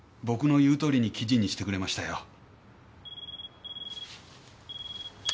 僕の言うとおりに記事にしてくれましたよ。